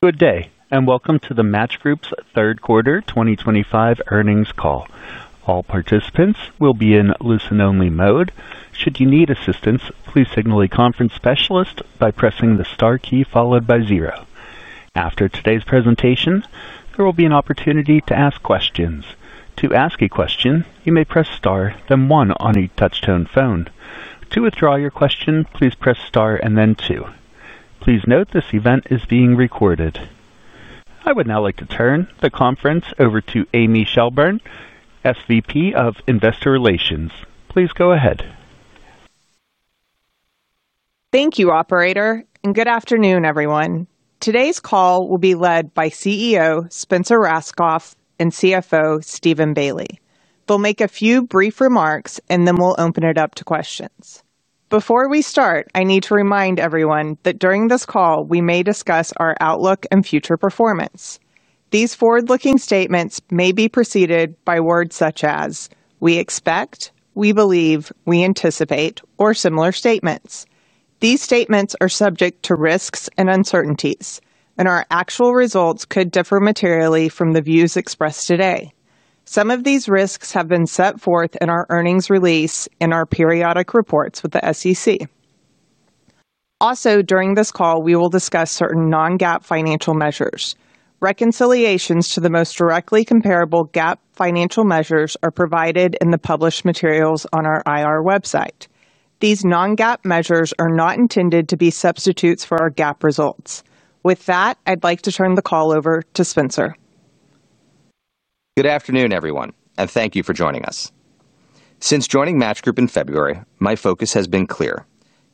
Good day, and welcome to the Match Group's Third Quarter 2025 Earnings Call. All participants will be in listen-only mode. Should you need assistance, please signal a conference specialist by pressing the star key followed by zero. After today's presentation, there will be an opportunity to ask questions. To ask a question, you may press star then one on a touch-tone phone. To withdraw your question, please press star and then two. Please note this event is being recorded. I would now like to turn the conference over to Tanny Shelburne, SVP of Investor Relations. Please go ahead. Thank you, Operator, and good afternoon, everyone. Today's call will be led by CEO Spencer Rascoff and CFO Steven Bailey. They'll make a few brief remarks, and then we'll open it up to questions. Before we start, I need to remind everyone that during this call, we may discuss our outlook and future performance. These forward-looking statements may be preceded by words such as, "We expect," "We believe," "We anticipate," or similar statements. These statements are subject to risks and uncertainties, and our actual results could differ materially from the views expressed today. Some of these risks have been set forth in our earnings release and our periodic reports with the SEC. Also, during this call, we will discuss certain non-GAAP financial measures. Reconciliations to the most directly comparable GAAP financial measures are provided in the published materials on our IR website. These non-GAAP measures are not intended to be substitutes for our GAAP results. With that, I'd like to turn the call over to Spencer. Good afternoon, everyone, and thank you for joining us. Since joining Match Group in February, my focus has been clear: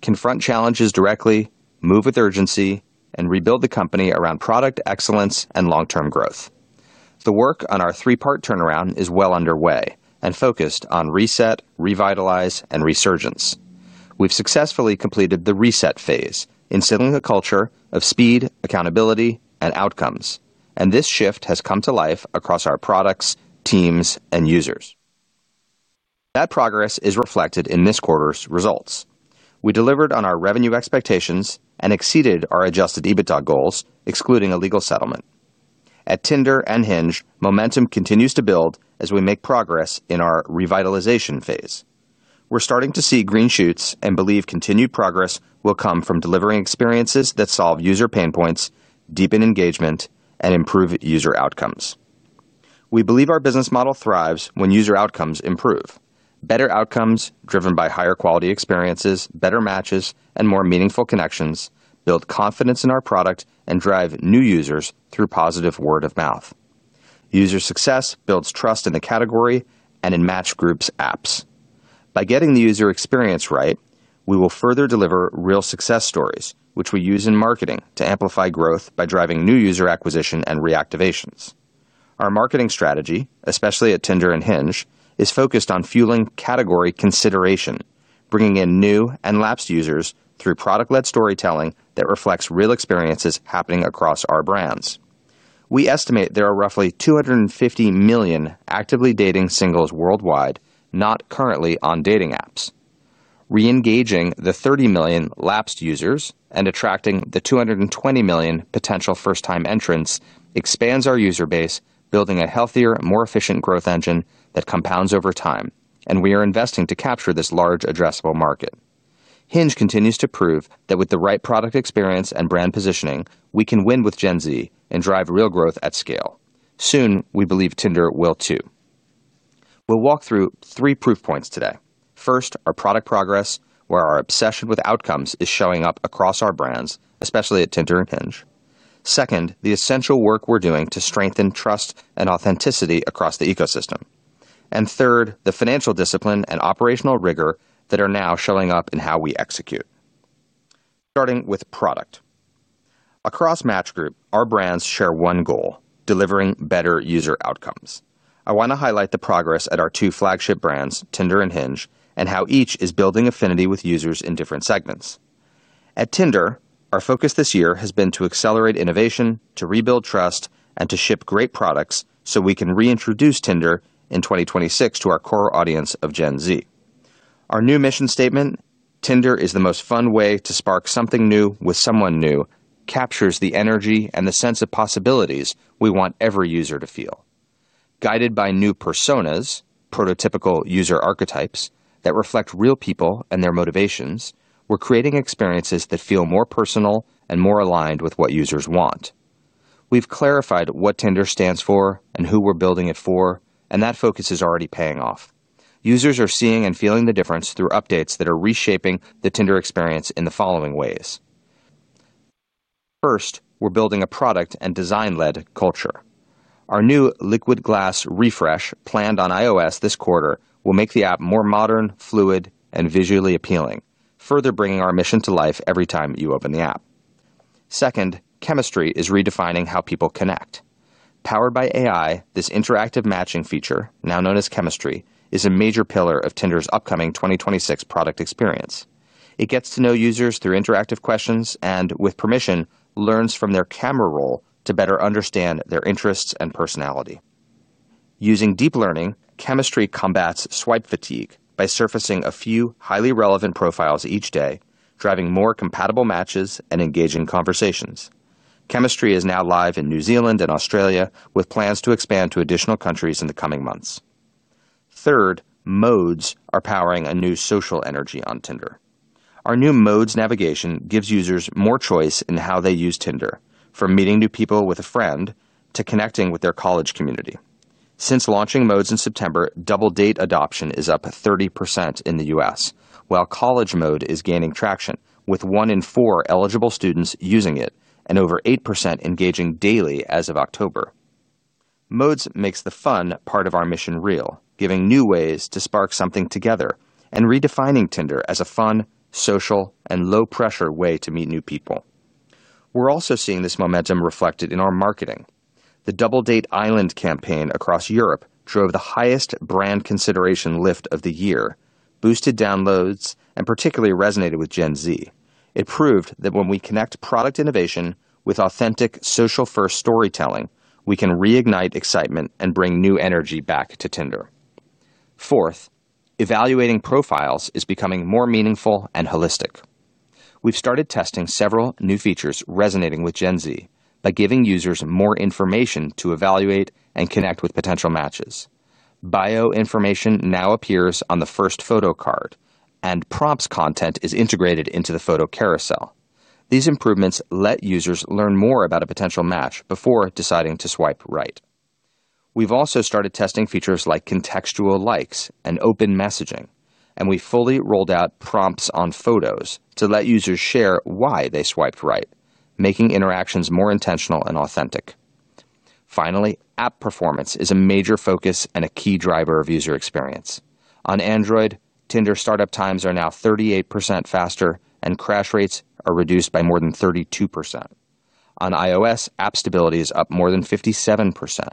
confront challenges directly, move with urgency, and rebuild the company around product excellence and long-term growth. The work on our three-part turnaround is well underway and focused on reset, revitalize, and resurgence. We've successfully completed the reset phase, instilling a culture of speed, accountability, and outcomes, and this shift has come to life across our products, teams, and users. That progress is reflected in this quarter's results. We delivered on our revenue expectations and exceeded our Adjusted EBITDA goals, excluding a legal settlement. At Tinder and Hinge, momentum continues to build as we make progress in our revitalization phase. We're starting to see green shoots and believe continued progress will come from delivering experiences that solve user pain points, deepen engagement, and improve user outcomes. We believe our business model thrives when user outcomes improve. Better outcomes, driven by higher-quality experiences, better matches, and more meaningful connections, build confidence in our product and drive new users through positive word of mouth. User success builds trust in the category and in Match Group's apps. By getting the user experience right, we will further deliver real success stories, which we use in marketing to amplify growth by driving new user acquisition and reactivations. Our marketing strategy, especially at Tinder and Hinge, is focused on fueling category consideration, bringing in new and lapsed users through product-led storytelling that reflects real experiences happening across our brands. We estimate there are roughly 250 million actively dating singles worldwide not currently on dating apps. Re-engaging the 30 million lapsed users and attracting the 220 million potential first-time entrants expands our user base, building a healthier, more efficient growth engine that compounds over time, and we are investing to capture this large, addressable market. Hinge continues to prove that with the right product experience and brand positioning, we can win with Gen Z and drive real growth at scale. Soon, we believe Tinder will too. We'll walk through three proof points today. First, our product progress, where our obsession with outcomes is showing up across our brands, especially at Tinder and Hinge. Second, the essential work we're doing to strengthen trust and authenticity across the ecosystem, and third, the financial discipline and operational rigor that are now showing up in how we execute. Starting with product. Across Match Group, our brands share one goal: delivering better user outcomes. I want to highlight the progress at our two flagship brands, Tinder and Hinge, and how each is building affinity with users in different segments. At Tinder, our focus this year has been to accelerate innovation, to rebuild trust, and to ship great products so we can reintroduce Tinder in 2026 to our core audience of Gen Z. Our new mission statement, "Tinder is the most fun way to spark something new with someone new," captures the energy and the sense of possibilities we want every user to feel. Guided by new personas, prototypical user archetypes, that reflect real people and their motivations, we're creating experiences that feel more personal and more aligned with what users want. We've clarified what Tinder stands for and who we're building it for, and that focus is already paying off. Users are seeing and feeling the difference through updates that are reshaping the Tinder experience in the following ways. First, we're building a product and design-led culture. Our new Liquid Glass refresh planned on iOS this quarter will make the app more modern, fluid, and visually appealing, further bringing our mission to life every time you open the app. Second, Chemistry is redefining how people connect. Powered by AI, this interactive matching feature, now known as Chemistry, is a major pillar of Tinder's upcoming 2026 product experience. It gets to know users through interactive questions and, with permission, learns from their camera roll to better understand their interests and personality. Using deep learning, Chemistry combats swipe fatigue by surfacing a few highly relevant profiles each day, driving more compatible matches and engaging conversations. Chemistry is now live in New Zealand and Australia, with plans to expand to additional countries in the coming months. Third, Modes are powering a new social energy on Tinder. Our new Modes navigation gives users more choice in how they use Tinder, from meeting new people with a friend to connecting with their college community. Since launching Modes in September, Double Date adoption is up 30% in the U.S., while College Mode is gaining traction, with one in four eligible students using it and over 8% engaging daily as of October. Modes makes the fun part of our mission real, giving new ways to spark something together and redefining Tinder as a fun, social, and low-pressure way to meet new people. We're also seeing this momentum reflected in our marketing. The Double Date Island campaign across Europe drove the highest brand consideration lift of the year, boosted downloads, and particularly resonated with Gen Z. It proved that when we connect product innovation with authentic, social-first storytelling, we can reignite excitement and bring new energy back to Tinder. Fourth, evaluating profiles is becoming more meaningful and holistic. We've started testing several new features resonating with Gen Z by giving users more information to evaluate and connect with potential matches. Bio information now appears on the first photo card, and prompts content is integrated into the photo carousel. These improvements let users learn more about a potential match before deciding to swipe right. We've also started testing features like contextual likes and open messaging, and we fully rolled out prompts on photos to let users share why they swiped right, making interactions more intentional and authentic. Finally, app performance is a major focus and a key driver of user experience. On Android, Tinder startup times are now 38% faster, and crash rates are reduced by more than 32%. On iOS, app stability is up more than 57%.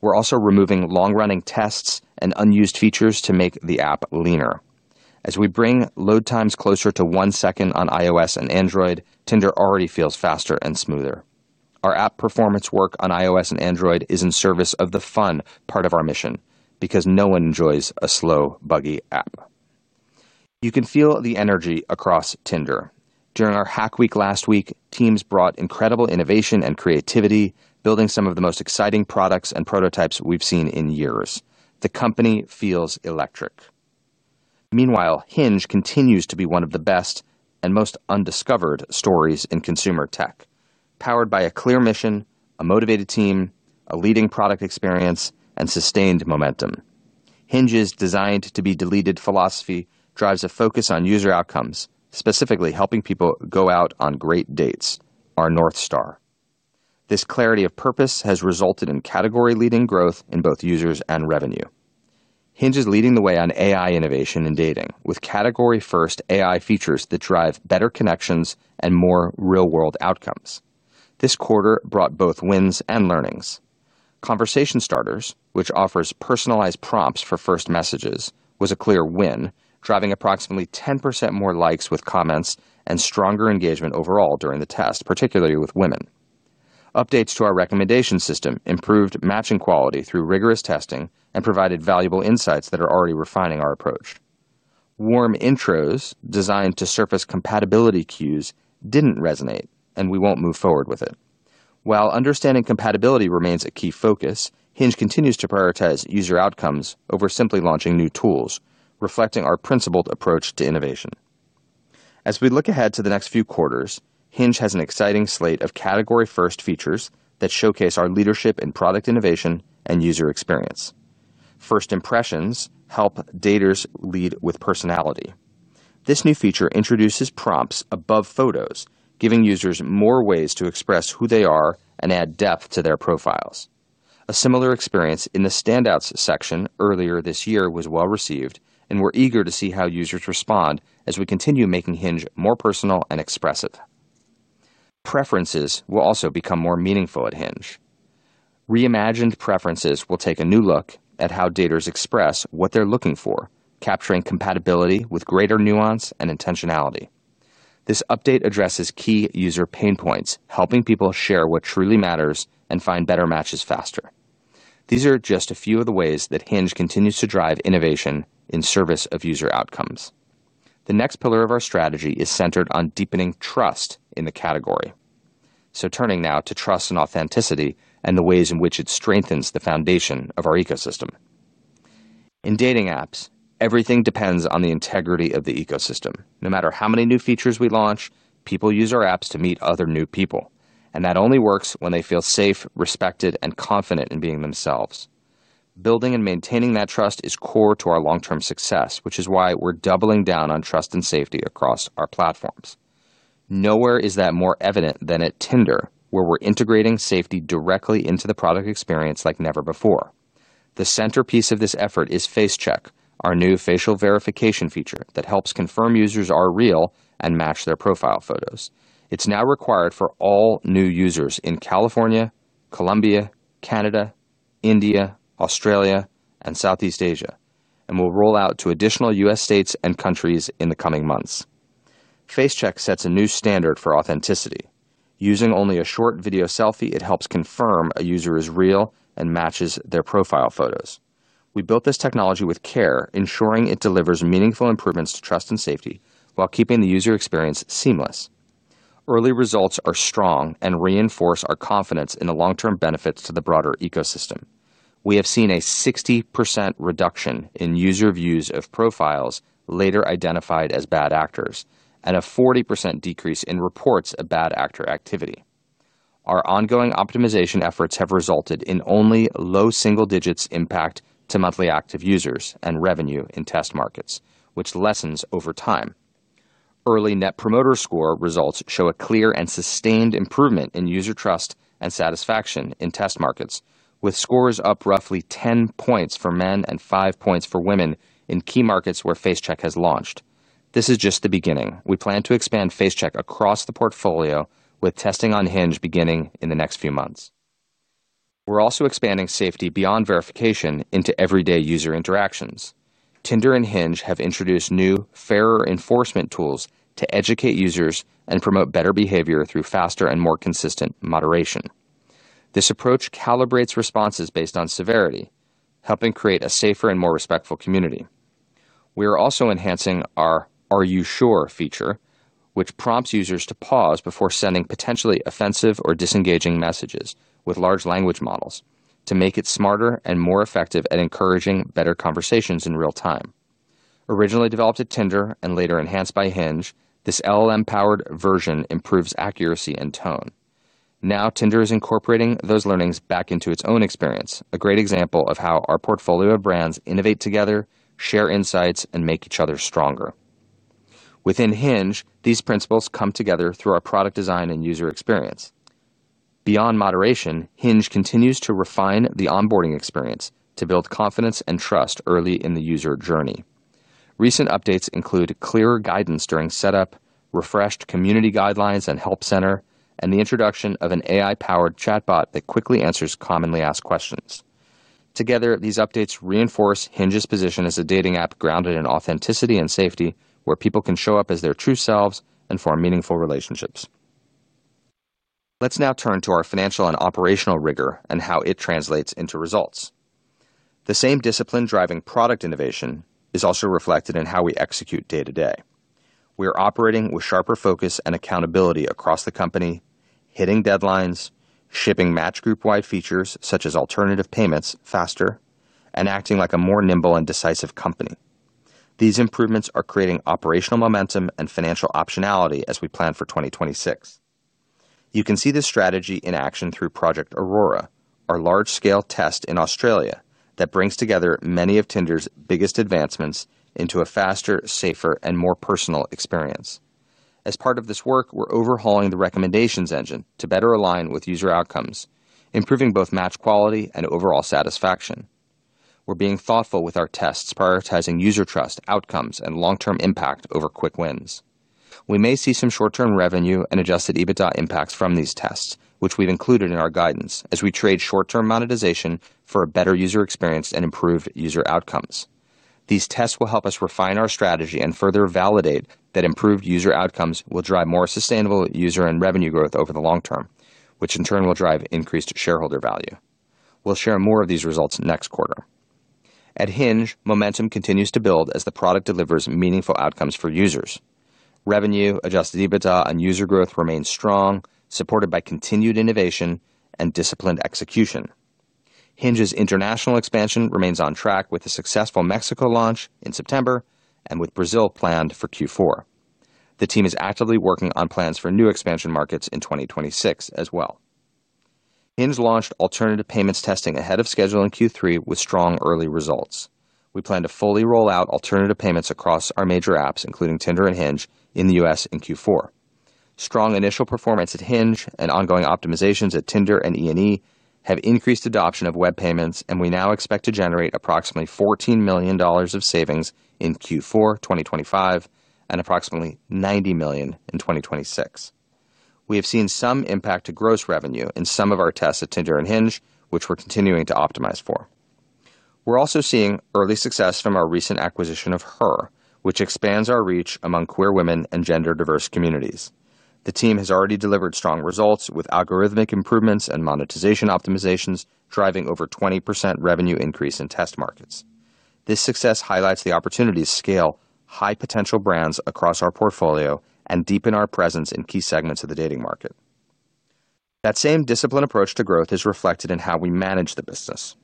We're also removing long-running tests and unused features to make the app leaner. As we bring load times closer to one second on iOS and Android, Tinder already feels faster and smoother. Our app performance work on iOS and Android is in service of the fun part of our mission because no one enjoys a slow, buggy app. You can feel the energy across Tinder. During our Hack Week last week, teams brought incredible innovation and creativity, building some of the most exciting products and prototypes we've seen in years. The company feels electric. Meanwhile, Hinge continues to be one of the best and most undiscovered stories in consumer tech, powered by a clear mission, a motivated team, a leading product experience, and sustained momentum. Hinge's designed-to-be-deleted philosophy drives a focus on user outcomes, specifically helping people go out on great dates, our North Star. This clarity of purpose has resulted in category-leading growth in both users and revenue. Hinge is leading the way on AI innovation in dating, with category-first AI features that drive better connections and more real-world outcomes. This quarter brought both wins and learnings. Conversation Starters, which offers personalized prompts for first messages, was a clear win, driving approximately 10% more likes with comments and stronger engagement overall during the test, particularly with women. Updates to our recommendation system improved matching quality through rigorous testing and provided valuable insights that are already refining our approach. Warm intros, designed to surface compatibility cues, didn't resonate, and we won't move forward with it. While understanding compatibility remains a key focus, Hinge continues to prioritize user outcomes over simply launching new tools, reflecting our principled approach to innovation. As we look ahead to the next few quarters, Hinge has an exciting slate of category-first features that showcase our leadership in product innovation and user experience. First Impressions help daters lead with personality. This new feature introduces prompts above photos, giving users more ways to express who they are and add depth to their profiles. A similar experience in the standouts section earlier this year was well received, and we're eager to see how users respond as we continue making Hinge more personal and expressive. Preferences will also become more meaningful at Hinge. Reimagined preferences will take a new look at how daters express what they're looking for, capturing compatibility with greater nuance and intentionality. This update addresses key user pain points, helping people share what truly matters and find better matches faster. These are just a few of the ways that Hinge continues to drive innovation in service of user outcomes. The next pillar of our strategy is centered on deepening trust in the category. So turning now to trust and authenticity and the ways in which it strengthens the foundation of our ecosystem. In dating apps, everything depends on the integrity of the ecosystem. No matter how many new features we launch, people use our apps to meet other new people, and that only works when they feel safe, respected, and confident in being themselves. Building and maintaining that trust is core to our long-term success, which is why we're doubling down on trust and safety across our platforms. Nowhere is that more evident than at Tinder, where we're integrating safety directly into the product experience like never before. The centerpiece of this effort is Face Check, our new facial verification feature that helps confirm users are real and match their profile photos. It's now required for all new users in California, Colombia, Canada, India, Australia, and Southeast Asia, and will roll out to additional U.S. states and countries in the coming months. Face Check sets a new standard for authenticity. Using only a short video selfie, it helps confirm a user is real and matches their profile photos. We built this technology with care, ensuring it delivers meaningful improvements to trust and safety while keeping the user experience seamless. Early results are strong and reinforce our confidence in the long-term benefits to the broader ecosystem. We have seen a 60% reduction in user views of profiles later identified as bad actors and a 40% decrease in reports of bad actor activity. Our ongoing optimization efforts have resulted in only low single-digits impact to monthly active users and revenue in test markets, which lessens over time. Early Net Promoter Score results show a clear and sustained improvement in user trust and satisfaction in test markets, with scores up roughly 10 points for men and 5 points for women in key markets where Face Check has launched. This is just the beginning. We plan to expand Face Check across the portfolio, with testing on Hinge beginning in the next few months. We're also expanding safety beyond verification into everyday user interactions. Tinder and Hinge have introduced new, fairer enforcement tools to educate users and promote better behavior through faster and more consistent moderation. This approach calibrates responses based on severity, helping create a safer and more respectful community. We are also enhancing our Are You Sure? feature, which prompts users to pause before sending potentially offensive or disengaging messages with large language models to make it smarter and more effective at encouraging better conversations in real time. Originally developed at Tinder and later enhanced by Hinge, this LLM-powered version improves accuracy and tone. Now, Tinder is incorporating those learnings back into its own experience, a great example of how our portfolio of brands innovate together, share insights, and make each other stronger. Within Hinge, these principles come together through our product design and user experience. Beyond moderation, Hinge continues to refine the onboarding experience to build confidence and trust early in the user journey. Recent updates include clearer guidance during setup, refreshed community guidelines and help center, and the introduction of an AI-powered chatbot that quickly answers commonly asked questions. Together, these updates reinforce Hinge's position as a dating app grounded in authenticity and safety, where people can show up as their true selves and form meaningful relationships. Let's now turn to our financial and operational rigor and how it translates into results. The same discipline driving product innovation is also reflected in how we execute day-to-day. We are operating with sharper focus and accountability across the company, hitting deadlines, shipping Match Group-wide features such as alternative payments faster, and acting like a more nimble and decisive company. These improvements are creating operational momentum and financial optionality as we plan for 2026. You can see this strategy in action through Project Aurora, our large-scale test in Australia that brings together many of Tinder's biggest advancements into a faster, safer, and more personal experience. As part of this work, we're overhauling the recommendations engine to better align with user outcomes, improving both Match quality and overall satisfaction. We're being thoughtful with our tests, prioritizing user trust, outcomes, and long-term impact over quick wins. We may see some short-term revenue and adjusted EBITDA impacts from these tests, which we've included in our guidance as we trade short-term monetization for a better user experience and improved user outcomes. These tests will help us refine our strategy and further validate that improved user outcomes will drive more sustainable user and revenue growth over the long-term, which in turn will drive increased shareholder value. We'll share more of these results next quarter. At Hinge, momentum continues to build as the product delivers meaningful outcomes for users. Revenue, adjusted EBITDA, and user growth remain strong, supported by continued innovation and disciplined execution. Hinge's international expansion remains on track with a successful Mexico launch in September and with Brazil planned for Q4. The team is actively working on plans for new expansion markets in 2026 as well. Hinge launched alternative payments testing ahead of schedule in Q3 with strong early results. We plan to fully roll out alternative payments across our major apps, including Tinder and Hinge, in the U.S. in Q4. Strong initial performance at Hinge and ongoing optimizations at Tinder and E&E have increased adoption of web payments, and we now expect to generate approximately $14 million of savings in Q4 2025 and approximately $90 million in 2026. We have seen some impact to gross revenue in some of our tests at Tinder and Hinge, which we're continuing to optimize for. We're also seeing early success from our recent acquisition of HER, which expands our reach among queer women and gender-diverse communities. The team has already delivered strong results with algorithmic improvements and monetization optimizations, driving over 20% revenue increase in test markets. This success highlights the opportunity to scale high-potential brands across our portfolio and deepen our presence in key segments of the dating market. That same disciplined approach to growth is reflected in how we manage the business.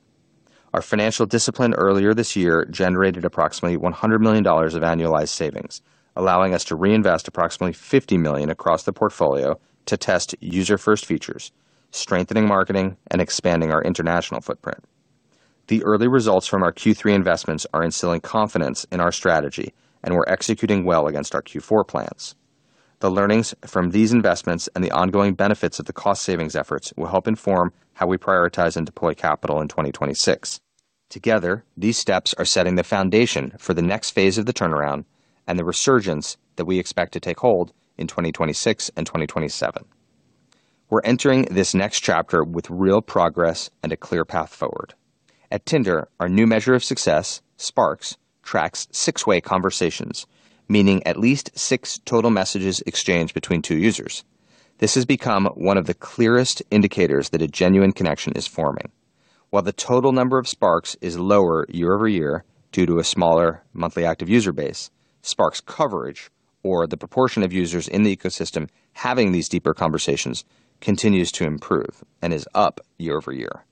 Our financial discipline earlier this year generated approximately $100 million of annualized savings, allowing us to reinvest approximately $50 million across the portfolio to test user-first features, strengthening marketing, and expanding our international footprint. The early results from our Q3 investments are instilling confidence in our strategy, and we're executing well against our Q4 plans. The learnings from these investments and the ongoing benefits of the cost-savings efforts will help inform how we prioritize and deploy capital in 2026. Together, these steps are setting the foundation for the next phase of the turnaround and the resurgence that we expect to take hold in 2026 and 2027. We're entering this next chapter with real progress and a clear path forward. At Tinder, our new measure of success, Sparks, tracks six-way conversations, meaning at least six total messages exchanged between two users. This has become one of the clearest indicators that a genuine connection is forming. While the total number of Sparks is lower year-over-year due to a smaller monthly active user base, Sparks coverage, or the proportion of users in the ecosystem having these deeper conversations, continues to improve and is up year-over-year.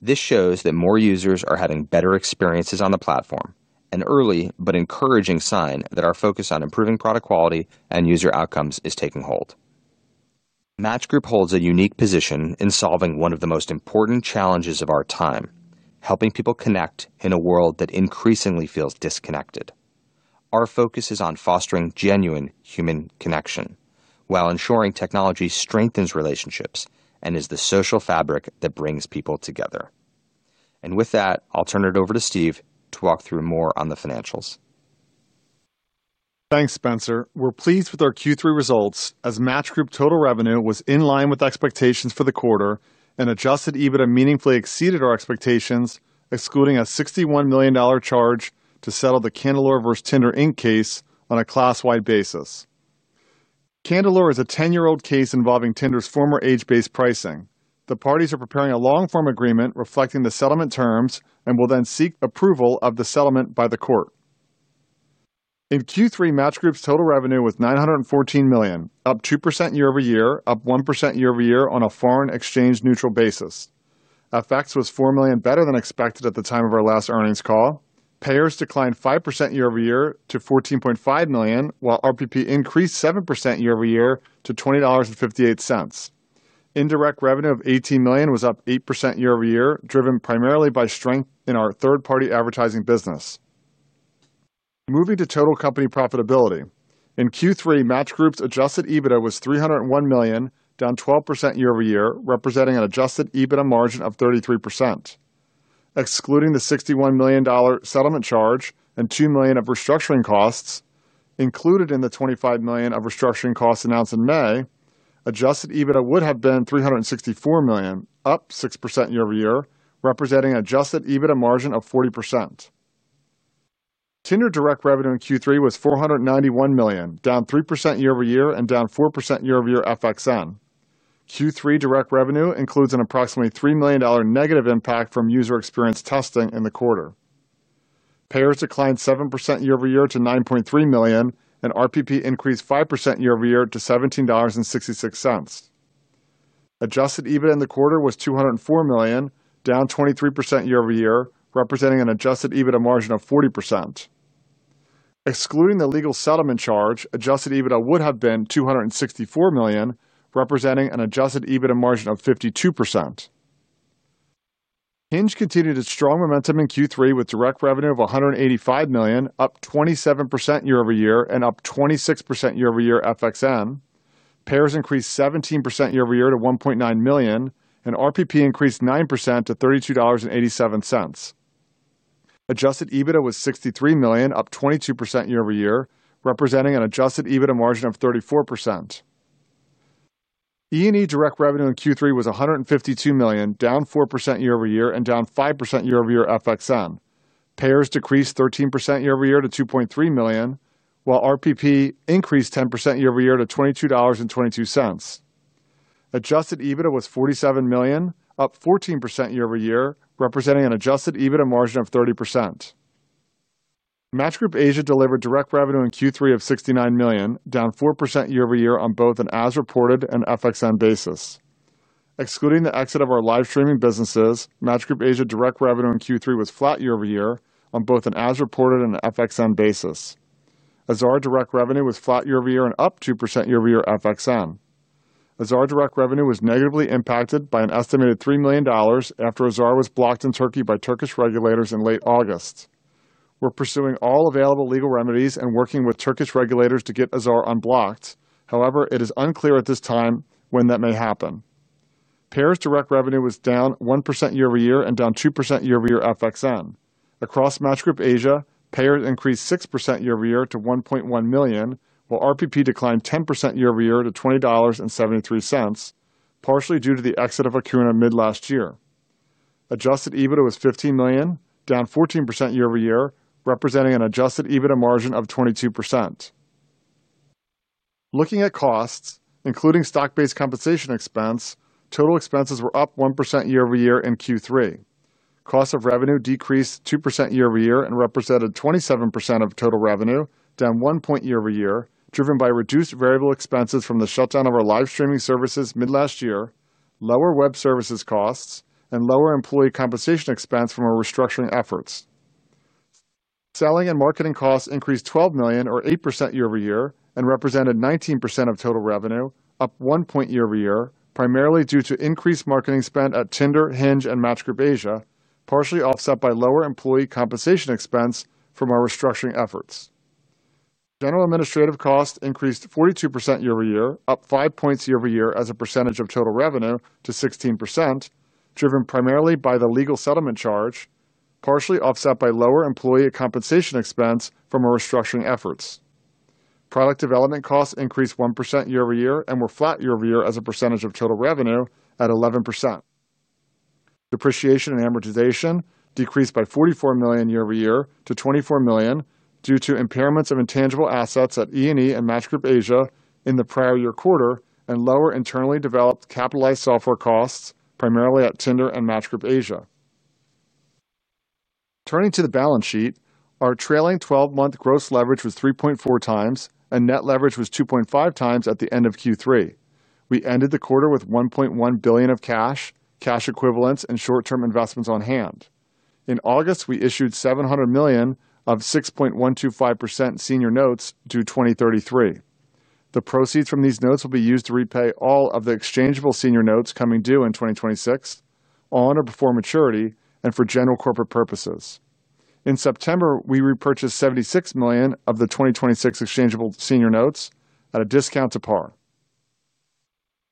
This shows that more users are having better experiences on the platform, an early but encouraging sign that our focus on improving product quality and user outcomes is taking hold. Match Group holds a unique position in solving one of the most important challenges of our time, helping people connect in a world that increasingly feels disconnected. Our focus is on fostering genuine human connection while ensuring technology strengthens relationships and is the social fabric that brings people together. And with that, I'll turn it over to Steve to walk through more on the financials. Thanks, Spencer. We're pleased with our Q3 results as Match Group total revenue was in line with expectations for the quarter and adjusted EBITDA meaningfully exceeded our expectations, excluding a $61 million charge to settle the Candelore versus Tinder Inc case on a class-wide basis. Candelore is a 10-year-old case involving Tinder's former age-based pricing. The parties are preparing a long-form agreement reflecting the settlement terms and will then seek approval of the settlement by the court. In Q3, Match Group's total revenue was $914 million, up 2% year-over-year, up 1% year-over-year on a foreign exchange-neutral basis. FX was $4 million better than expected at the time of our last earnings call. Payers declined 5% year-over-year to $14.5 million, while RPP increased 7% year-over-year to $20.58. Indirect revenue of $18 million was up 8% year-over-year, driven primarily by strength in our third-party advertising business. Moving to total company profitability. In Q3, Match Group's adjusted EBITDA was $301 million, down 12% year-over-year, representing an adjusted EBITDA margin of 33%. Excluding the $61 million settlement charge and $2 million of restructuring costs, included in the $25 million of restructuring costs announced in May, adjusted EBITDA would have been $364 million, up 6% year-over-year, representing an adjusted EBITDA margin of 40%. Tinder direct revenue in Q3 was $491 million, down 3% year-over-year and down 4% year-over-year FXN. Q3 direct revenue includes an approximately $3 million negative impact from user experience testing in the quarter. Payers declined 7% year-over-year to $9.3 million, and RPP increased 5% year-over-year to $17.66. Adjusted EBITDA in the quarter was $204 million, down 23% year-over-year, representing an adjusted EBITDA margin of 40%. Excluding the legal settlement charge, adjusted EBITDA would have been $264 million, representing an adjusted EBITDA margin of 52%. Hinge continued its strong momentum in Q3 with direct revenue of $185 million, up 27% year-over-year and up 26% year-over-year FXN. Payers increased 17% year-over-year to $1.9 million, and RPP increased 9% to $32.87. Adjusted EBITDA was $63 million, up 22% year-over-year, representing an adjusted EBITDA margin of 34%. E&E direct revenue in Q3 was $152 million, down 4% year-over-year and down 5% year-over-year FXN. Payers decreased 13% year-over-year to $2.3 million, while RPP increased 10% year-over-year to $22.22. Adjusted EBITDA was $47 million, up 14% year-over-year, representing an adjusted EBITDA margin of 30%. Match Group Asia delivered direct revenue in Q3 of $69 million, down 4% year-over-year on both an as-reported and FXN basis. Excluding the exit of our live streaming businesses, Match Group Asia direct revenue in Q3 was flat year-over-year on both an as-reported and FXN basis. Azar direct revenue was flat year-over-year and up 2% year-over-year FXN. Azar direct revenue was negatively impacted by an estimated $3 million after Azar was blocked in Turkey by Turkish regulators in late August. We're pursuing all available legal remedies and working with Turkish regulators to get Azar unblocked. However, it is unclear at this time when that may happen. Pairs direct revenue was down 1% year-over-year and down 2% year-over-year FXN. Across Match Group Asia, payers increased 6% year-over-year to 1.1 million, while RPP declined 10% year-over-year to $20.73. Partially due to the exit of Hakuna mid-last year. Adjusted EBITDA was $15 million, down 14% year-over-year, representing an adjusted EBITDA margin of 22%. Looking at costs, including stock-based compensation expense, total expenses were up 1% year-over-year in Q3. Cost of revenue decreased 2% year-over-year and represented 27% of total revenue, down 1 point year-over-year, driven by reduced variable expenses from the shutdown of our live streaming services mid-last year, lower web services costs, and lower employee compensation expense from our restructuring efforts. Selling and marketing costs increased $12 million, or 8% year-over-year, and represented 19% of total revenue, up 1 point year-over-year, primarily due to increased marketing spend at Tinder, Hinge, and Match Group Asia, partially offset by lower employee compensation expense from our restructuring efforts. General administrative costs increased 42% year-over-year, up 5 points year-over-year as a percentage of total revenue to 16%, driven primarily by the legal settlement charge, partially offset by lower employee compensation expense from our restructuring efforts. Product development costs increased 1% year-over-year and were flat year-over-year as a percentage of total revenue at 11%. Depreciation and amortization decreased by $44 million year-over-year to $24 million due to impairments of intangible assets at E&E and Match Group Asia in the prior year quarter and lower internally developed capitalized software costs, primarily at Tinder and Match Group Asia. Turning to the balance sheet, our trailing 12-month gross leverage was 3.4x, and net leverage was 2.5x at the end of Q3. We ended the quarter with $1.1 billion of cash, cash equivalents, and short-term investments on hand. In August, we issued $700 million of 6.125% senior notes due 2033. The proceeds from these notes will be used to repay all of the exchangeable senior notes coming due in 2026, on or before maturity, and for general corporate purposes. In September, we repurchased $76 million of the 2026 exchangeable senior notes at a discount to par.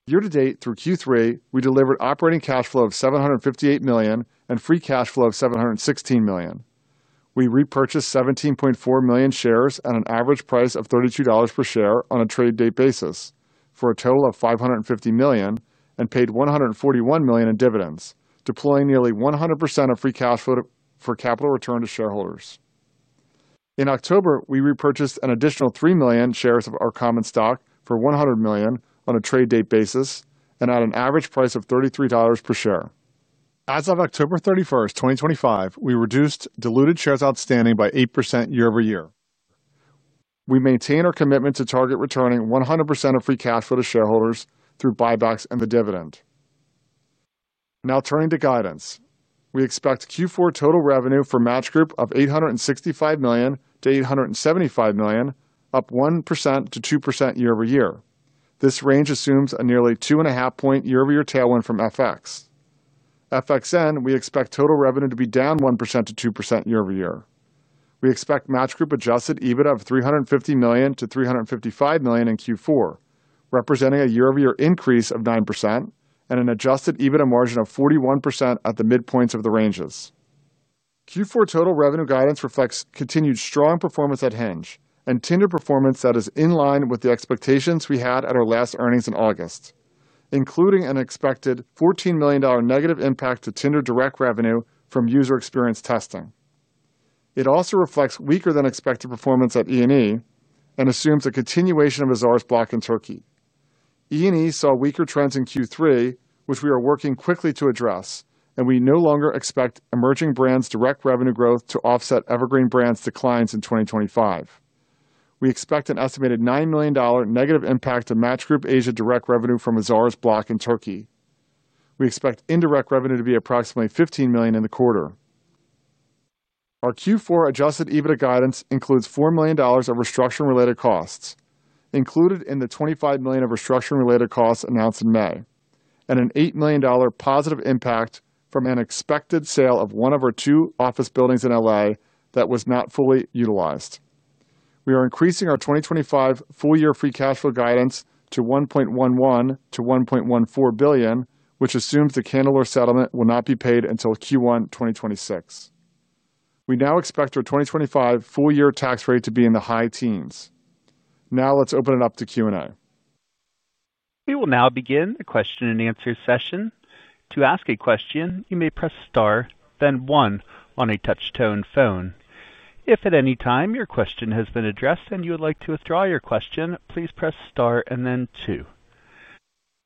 Year-to-date, through Q3, we delivered operating cash flow of $758 million and free cash flow of $716 million. We repurchased 17.4 million shares at an average price of $32 per share on a trade-date basis for a total of $550 million and paid $141 million in dividends, deploying nearly 100% of free cash flow for capital return to shareholders. In October, we repurchased an additional 3 million shares of our common stock for $100 million on a trade-date basis and at an average price of $33 per share. As of October 31st, 2025, we reduced diluted shares outstanding by 8% year-over-year. We maintain our commitment to target returning 100% of free cash flow to shareholders through buybacks and the dividend. Now, turning to guidance, we expect Q4 total revenue for Match Group of $865 million-$875 million, up 1%-2% year-over-year. This range assumes a nearly 2.5-point year-over-year tailwind from FX. FXN, we expect total revenue to be down 1%-2% year-over-year. We expect Match Group adjusted EBITDA of $350 million-$355 million in Q4, representing a year-over-year increase of 9% and an adjusted EBITDA margin of 41% at the mid-points of the ranges. Q4 total revenue guidance reflects continued strong performance at Hinge and Tinder performance that is in line with the expectations we had at our last earnings in August. It includes an expected $14 million negative impact to Tinder direct revenue from user experience testing. It also reflects weaker-than-expected performance at E&E and assumes a continuation of Azar's block in Turkey. E&E saw weaker trends in Q3, which we are working quickly to address, and we no longer expect emerging brands' direct revenue growth to offset Evergreen brands' declines in 2025. We expect an estimated $9 million negative impact to Match Group Asia direct revenue from Azar's block in Turkey. We expect indirect revenue to be approximately $15 million in the quarter. Our Q4 adjusted EBITDA guidance includes $4 million of restructuring-related costs, included in the $25 million of restructuring-related costs announced in May, and an $8 million positive impact from an expected sale of one of our two office buildings in L.A. that was not fully utilized. We are increasing our 2025 full-year free cash flow guidance to $1.11 billion-$1.14 billion, which assumes the Candelore settlement will not be paid until Q1 2026. We now expect our 2025 full-year tax rate to be in the high-teens. Now, let's open it up to Q&A. We will now begin the question-and-answer session. To ask a question, you may press star, then one on a touch-tone phone. If at any time your question has been addressed and you would like to withdraw your question, please press star and then two.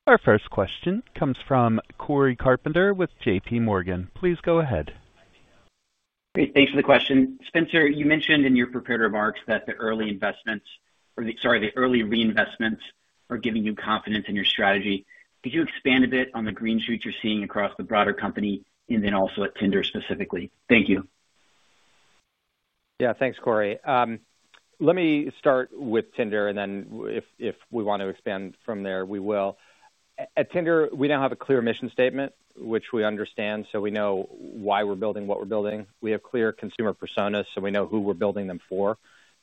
Our first question comes from Cory Carpenter with JPMorgan. Please go ahead. Great. Thanks for the question. Spencer, you mentioned in your prepared remarks that the early investments or, sorry, the early reinvestments are giving you confidence in your strategy. Could you expand a bit on the green shoots you're seeing across the broader company and then also at Tinder specifically? Thank you. Yeah, thanks, Cory. Let me start with Tinder, and then if we want to expand from there, we will. At Tinder, we now have a clear mission statement, which we understand, so we know why we're building what we're building. We have clear consumer personas, so we know who we're building them for.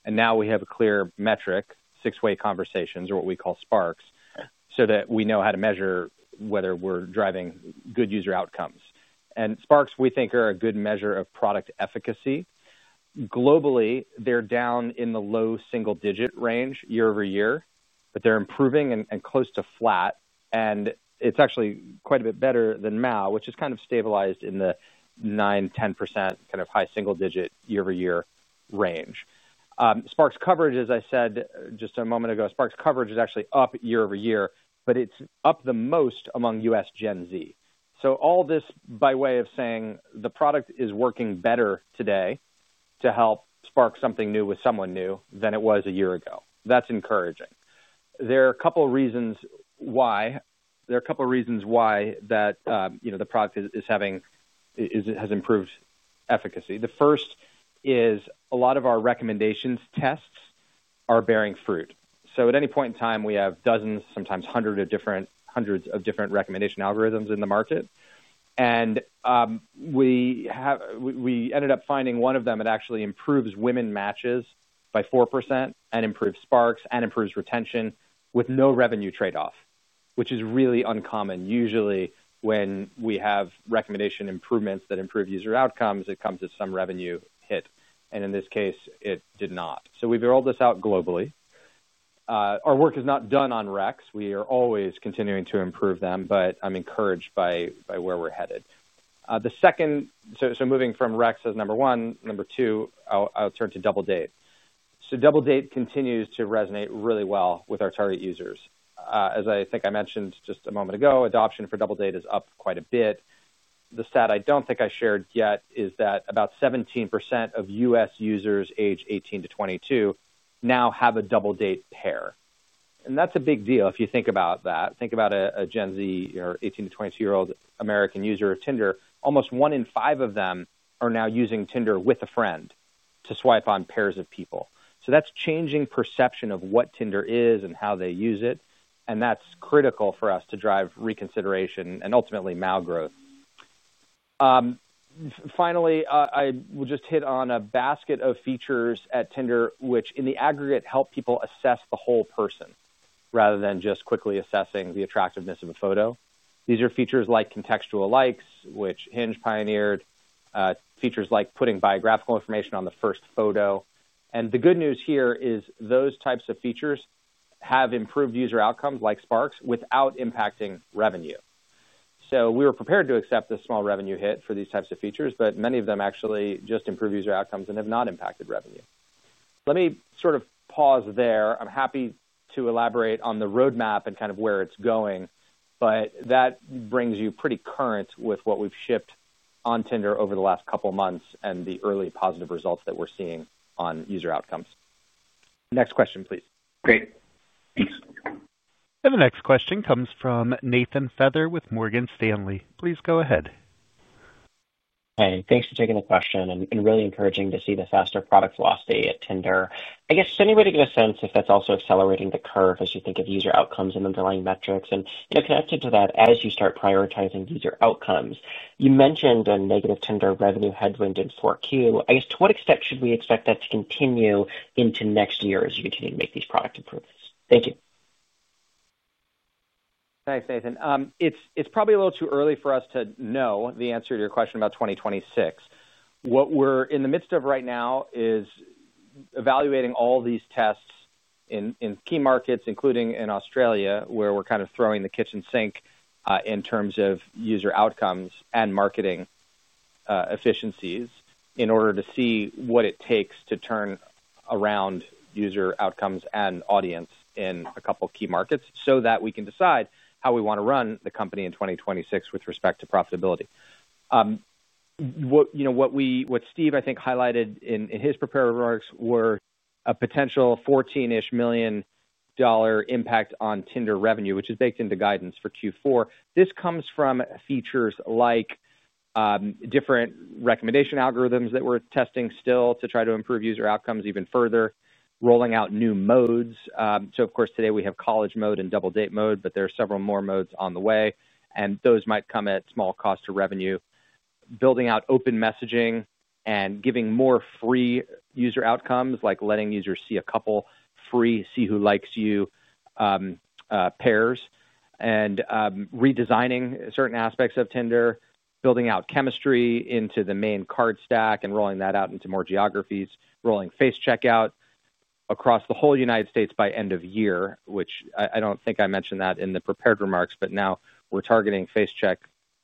And now we have a clear metric, six-message conversations, or what we call Sparks, so that we know how to measure whether we're driving good user outcomes. And Sparks, we think, are a good measure of product efficacy. Globally, they're down in the low single-digit range year-over-year, but they're improving and close to flat. And it's actually quite a bit better than MAUs, which is kind of stabilized in the 9%-10% kind of high single-digit year-over-year range. Sparks coverage, as I said just a moment ago, Sparks coverage is actually up year-over-year, but it's up the most among U.S. Gen Z. So all this by way of saying the product is working better today to help spark something new with someone new than it was a year ago. That's encouraging. There are a couple of reasons why the product has improved efficacy. The first is a lot of our recommendations tests are bearing fruit. So at any point in time, we have dozens, sometimes hundreds of different recommendation algorithms in the market. We ended up finding one of them that actually improves women matches by 4% and improves Sparks and improves retention with no revenue trade-off, which is really uncommon. Usually, when we have recommendation improvements that improve user outcomes, it comes with some revenue hit. And in this case, it did not. So we've rolled this out globally. Our work is not done on REX. We are always continuing to improve them, but I'm encouraged by where we're headed. The second, so moving from REX as number one, number two, I'll turn to Double Date. So Double Date continues to resonate really well with our target users. As I think I mentioned just a moment ago, adoption for Double Date is up quite a bit. The stat I don't think I shared yet is that about 17% of U.S. users aged 18-22 now have a Double Date pair. And that's a big deal if you think about that. Think about a Gen Z or 18 to 22-year-old American user of Tinder. Almost one in five of them are now using Tinder with a friend to swipe on pairs of people. So that's changing perception of what Tinder is and how they use it. And that's critical for us to drive reconsideration and ultimately MAU growth. Finally, I will just hit on a basket of features at Tinder, which in the aggregate help people assess the whole person rather than just quickly assessing the attractiveness of a photo. These are features like contextual likes, which Hinge pioneered, features like putting biographical information on the first photo, and the good news here is those types of features have improved user outcomes like Sparks without impacting revenue, so we were prepared to accept the small revenue hit for these types of features, but many of them actually just improve user outcomes and have not impacted revenue. Let me sort of pause there. I'm happy to elaborate on the roadmap and kind of where it's going, but that brings you pretty current with what we've shipped on Tinder over the last couple of months and the early positive results that we're seeing on user outcomes. Next question, please. Great. Thanks. The next question comes from Nathan Feather with Morgan Stanley. Please go ahead. Hey, thanks for taking the question and really encouraging to see the faster product velocity at Tinder. I guess any way to get a sense if that's also accelerating the curve as you think of user outcomes and underlying metrics and connected to that as you start prioritizing user outcomes? You mentioned a negative Tinder revenue headwind in 4Q. I guess to what extent should we expect that to continue into next year as you continue to make these product improvements? Thank you. Thanks, Nathan. It's probably a little too early for us to know the answer to your question about 2026. What we're in the midst of right now is evaluating all these tests in key markets, including in Australia, where we're kind of throwing the kitchen sink in terms of user outcomes and marketing efficiencies in order to see what it takes to turn around user outcomes and audience in a couple of key markets so that we can decide how we want to run the company in 2026 with respect to profitability. What Steve, I think, highlighted in his prepared remarks were a potential $14-ish million impact on Tinder revenue, which is baked into the guidance for Q4. This comes from features like different recommendation algorithms that we're testing still to try to improve user outcomes even further, rolling out new Modes. So, of course, today we have College Mode and Double Date Mode, but there are several more Modes on the way. And those might come at small cost to revenue. Building out open messaging and giving more free user outcomes, like letting users see a couple free see-who-likes-you pairs and redesigning certain aspects of Tinder, building out Chemistry into the main card stack and rolling that out into more geographies, rolling Face Check across the whole United States by end of year, which I don't think I mentioned that in the prepared remarks, but now we're targeting Face Check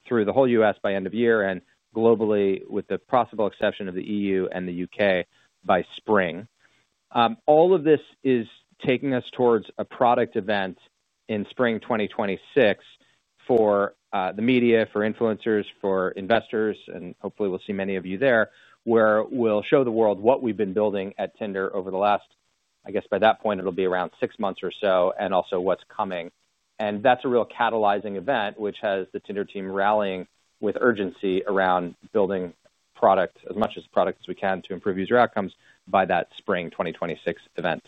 through the whole U.S. by end of year and globally, with the possible exception of the EU and the U.K. by spring. All of this is taking us towards a product event in spring 2026 for the media, for influencers, for investors, and hopefully we'll see many of you there, where we'll show the world what we've been building at Tinder over the last, I guess by that point, it'll be around six months or so, and also what's coming. And that's a real catalyzing event, which has the Tinder team rallying with urgency around building product as much as product as we can to improve user outcomes by that spring 2026 event.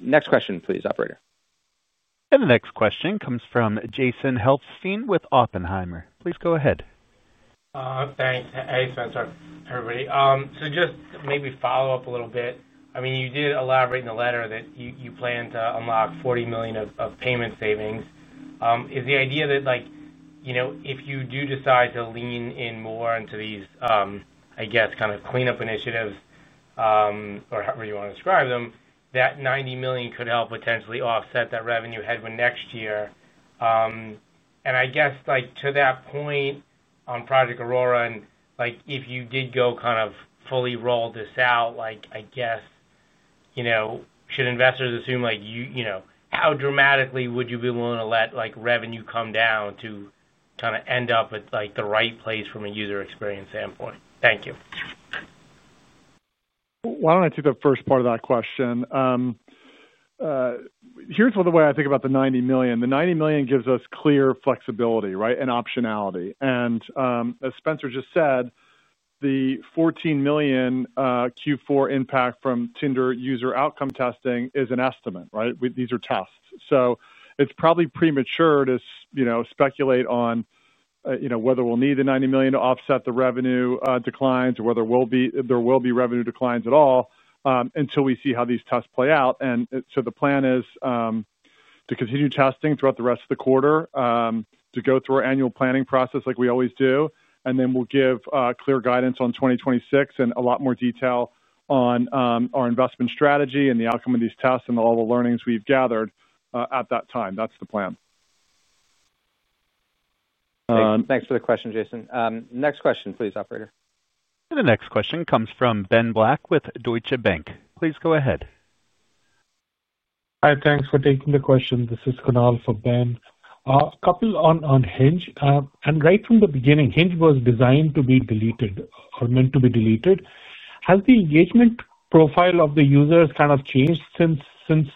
Next question, please, operator. The next question comes from Jason Helfstein with Oppenheimer. Please go ahead. Thanks, Spencer, everybody. So just maybe follow-up a little bit. I mean, you did elaborate in the letter that you plan to unlock $40 million of payment savings. Is the idea that if you do decide to lean in more into these, I guess, kind of cleanup initiatives. Or however you want to describe them, that $90 million could help potentially offset that revenue headwind next year? And I guess to that point on Project Aurora, if you did go kind of fully roll this out, I guess. Should investors assume. How dramatically would you be willing to let revenue come down to kind of end up at the right place from a user experience standpoint? Thank you. Why don't I take the first part of that question? Here's the way I think about the $90 million. The $90 million gives us clear flexibility, right, and optionality. And as Spencer just said, the $14 million Q4 impact from Tinder user outcome testing is an estimate, right? These are tests. So it's probably premature to speculate on whether we'll need the $90 million to offset the revenue declines or whether there will be revenue declines at all until we see how these tests play out. And so the plan is to continue testing throughout the rest of the quarter, to go through our annual planning process like we always do, and then we'll give clear guidance on 2026 and a lot more detail on our investment strategy and the outcome of these tests and all the learnings we've gathered at that time. That's the plan. Thanks for the question, Jason. Next question, please, operator. And the next question comes from Ben Black with Deutsche Bank. Please go ahead. Hi, thanks for taking the question. This is Kunal for Ben. A couple on Hinge. And right from the beginning, Hinge was designed to be deleted or meant to be deleted. Has the engagement profile of the users kind of changed since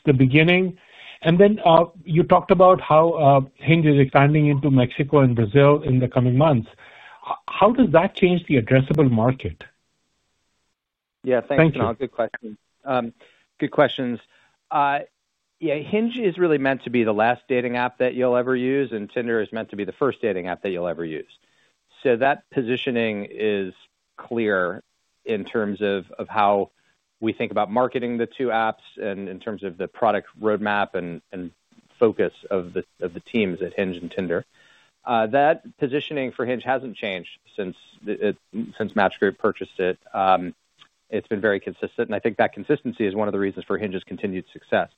the beginning? And then you talked about how Hinge is expanding into Mexico and Brazil in the coming months. How does that change the addressable market? Yeah, thanks, Kunal. Good question. Good questions. Yeah, Hinge is really meant to be the last dating app that you'll ever use, and Tinder is meant to be the first dating app that you'll ever use. So that positioning is clear in terms of how we think about marketing the two apps and in terms of the product roadmap and focus of the teams at Hinge and Tinder. That positioning for Hinge hasn't changed since Match Group purchased it. It's been very consistent, and I think that consistency is one of the reasons for Hinge's continued success.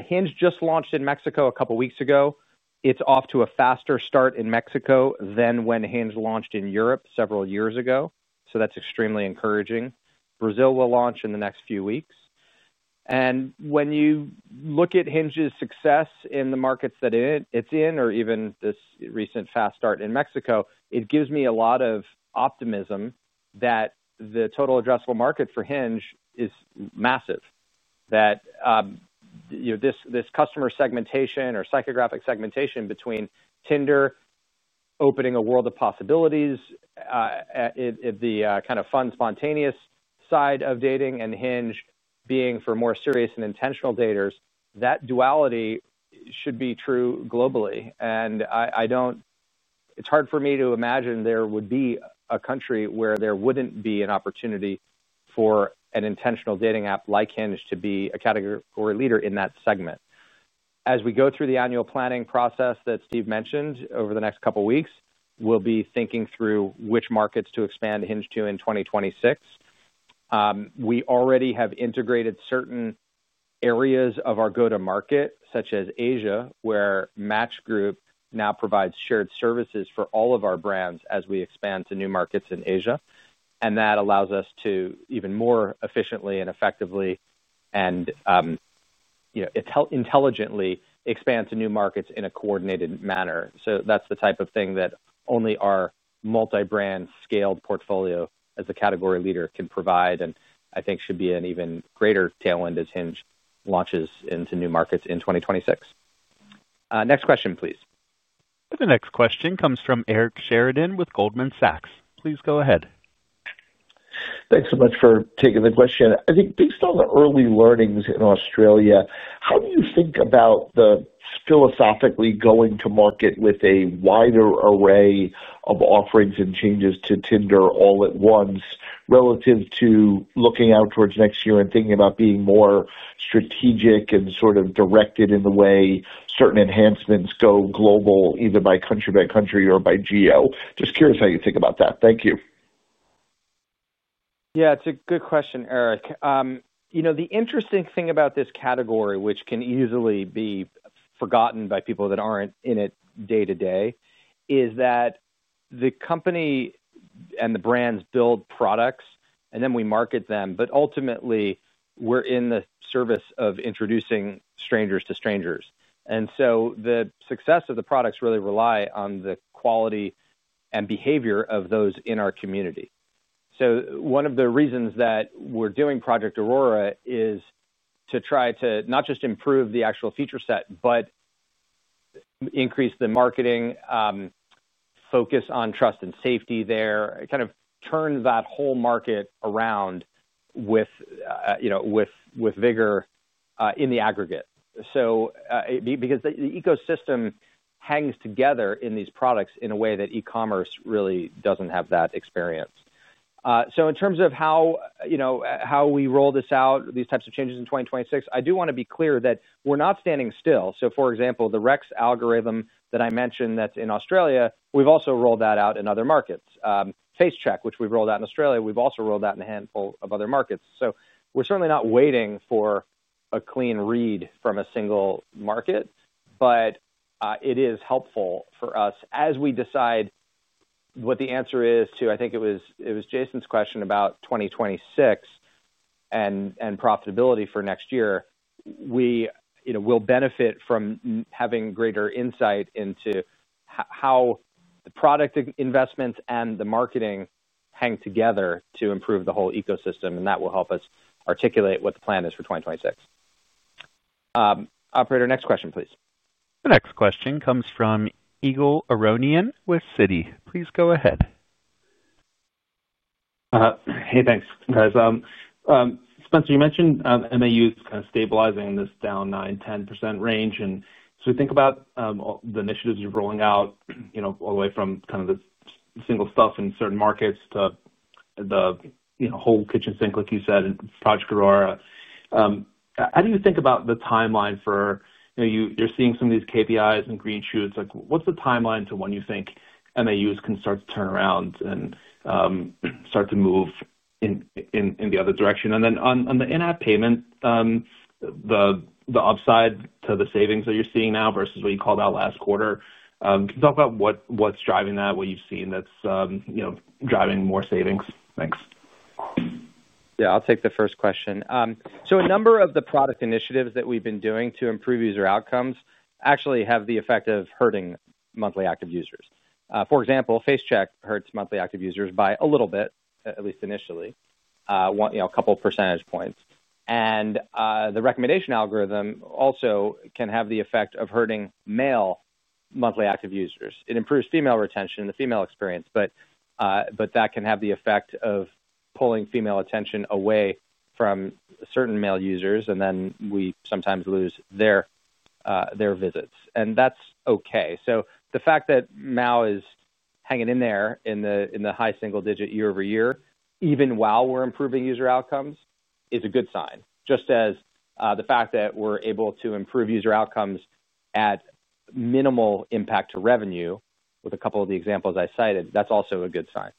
Hinge just launched in Mexico a couple of weeks ago. It's off to a faster start in Mexico than when Hinge launched in Europe several years ago. So that's extremely encouraging. Brazil will launch in the next few weeks. And when you look at Hinge's success in the markets that it's in, or even this recent fast start in Mexico, it gives me a lot of optimism that the total addressable market for Hinge is massive. This customer segmentation or psychographic segmentation between Tinder opening a world of possibilities, the kind of fun, spontaneous side of dating and Hinge being for more serious and intentional daters, that duality should be true globally. And it's hard for me to imagine there would be a country where there wouldn't be an opportunity for an intentional dating app like Hinge to be a category leader in that segment. As we go through the annual planning process that Steve mentioned over the next couple of weeks, we'll be thinking through which markets to expand Hinge to in 2026. We already have integrated certain areas of our go-to-market, such as Asia, where Match Group now provides shared services for all of our brands as we expand to new markets in Asia. And that allows us to even more efficiently and effectively and intelligently expand to new markets in a coordinated manner. So that's the type of thing that only our multi-brand scaled portfolio as the category leader can provide and I think should be an even greater tailwind as Hinge launches into new markets in 2026. Next question, please. And the next question comes from Eric Sheridan with Goldman Sachs. Please go ahead. Thanks so much for taking the question. I think based on the early learnings in Australia, how do you think about the philosophically going to market with a wider array of offerings and changes to Tinder all at once relative to looking out towards next year and thinking about being more strategic and sort of directed in the way certain enhancements go global, either by country by country or by geo? Just curious how you think about that. Thank you. Yeah, it's a good question, Eric. The interesting thing about this category, which can easily be forgotten by people that aren't in it day to day, is that the company and the brands build products, and then we market them, but ultimately we're in the service of introducing strangers to strangers. And so the success of the products really relies on the quality and behavior of those in our community. So one of the reasons that we're doing Project Aurora is to try to not just improve the actual feature set, but increase the marketing focus on trust and safety there, kind of turn that whole market around with vigor in the aggregate. Because the ecosystem hangs together in these products in a way that e-commerce really doesn't have that experience. So in terms of how we roll this out, these types of changes in 2026, I do want to be clear that we're not standing still. So for example, the REX algorithm that I mentioned that's in Australia, we've also rolled that out in other markets. Face Check, which we've rolled out in Australia, we've also rolled out in a handful of other markets. So we're certainly not waiting for a clean read from a single market, but it is helpful for us as we decide what the answer is to, I think it was Jason's question about 2026 and profitability for next year, we will benefit from having greater insight into how the product investments and the marketing hang together to improve the whole ecosystem. And that will help us articulate what the plan is for 2026. Operator, next question, please. The next question comes from Ygal Arounian with Citi. Please go ahead. Hey, thanks, guys. Spencer, you mentioned MAU is kind of stabilizing in this down 9%-10% range. And so we think about the initiatives you're rolling out all the way from kind of the single stuff in certain markets to the whole kitchen sink, like you said, and Project Aurora. How do you think about the timeline for you're seeing some of these KPIs and green shoots? What's the timeline to when you think MAUs can start to turn around and start to move in the other direction? And then on the in-app payment, the upside to the savings that you're seeing now versus what you called out last quarter, can you talk about what's driving that, what you've seen that's driving more savings? Thanks. Yeah, I'll take the first question. So a number of the product initiatives that we've been doing to improve user outcomes actually have the effect of hurting monthly active users. For example, Face Check hurts monthly active users by a little bit, at least initially. A couple of percentage points. And the recommendation algorithm also can have the effect of hurting male monthly active users. It improves female retention and the female experience, but that can have the effect of pulling female attention away from certain male users, and then we sometimes lose their visits. And that's okay. So the fact that MAU is hanging in there in the high single-digit year-over-year, even while we're improving user outcomes, is a good sign. Just as the fact that we're able to improve user outcomes at minimal impact to revenue, with a couple of the examples I cited, that's also a good sign.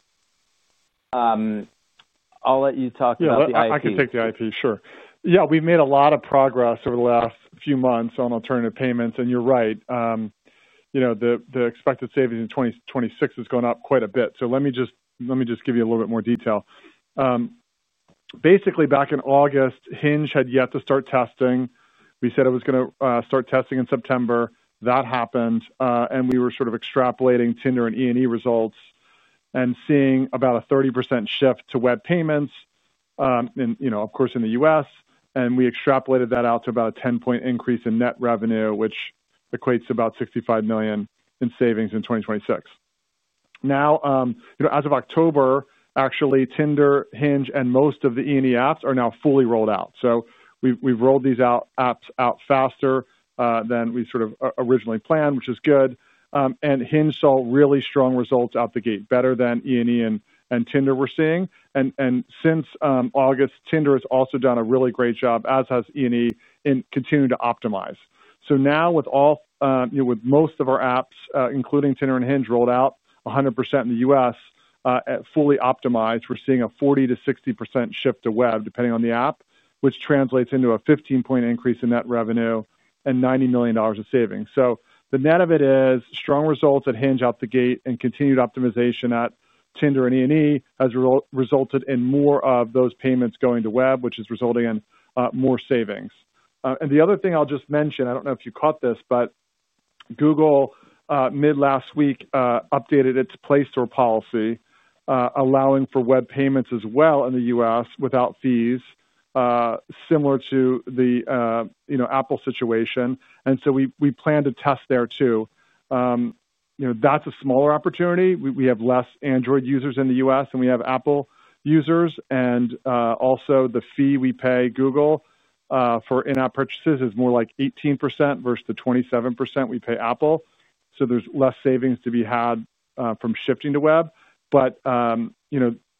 I'll let you talk about the IP. Yeah, I can take the IP, sure. Yeah, we've made a lot of progress over the last few months on alternative payments. And you're right. The expected savings in 2026 is going up quite a bit. So let me just give you a little bit more detail. Basically, back in August, Hinge had yet to start testing. We said it was going to start testing in September. That happened. And we were sort of extrapolating Tinder and E&E results and seeing about a 30% shift to web payments. Of course, in the U.S. And we extrapolated that out to about a 10-point increase in net revenue, which equates to about $65 million in savings in 2026. Now, as of October, actually, Tinder, Hinge, and most of the E&E apps are now fully rolled out. So we've rolled these apps out faster than we sort of originally planned, which is good. And Hinge saw really strong results out the gate, better than E&E and Tinder were seeing. And since August, Tinder has also done a really great job, as has E&E, in continuing to optimize. So now, with most of our apps, including Tinder and Hinge, rolled out 100% in the U.S., fully optimized, we're seeing a 40%-60% shift to web, depending on the app, which translates into a 15-point increase in net revenue and $90 million of savings. So the net of it is strong results at Hinge out the gate and continued optimization at Tinder and E&E has resulted in more of those payments going to web, which is resulting in more savings. And the other thing I'll just mention, I don't know if you caught this, but Google, mid-last week, updated its Play Store policy, allowing for web payments as well in the U.S. without fees. Similar to the Apple situation. And so we plan to test there too. That's a smaller opportunity. We have less Android users in the U.S., and we have Apple users. And also, the fee we pay Google for in-app purchases is more like 18% versus the 27% we pay Apple. So there's less savings to be had from shifting to web. But